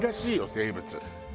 生物。